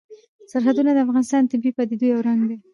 سرحدونه د افغانستان د طبیعي پدیدو یو رنګ دی.